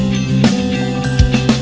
kamu berubah dong